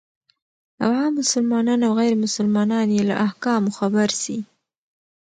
او عام مسلمانان او غير مسلمانان يې له احکامو خبر سي،